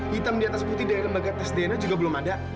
hitam di atas putih dari lembaga tes dna juga belum ada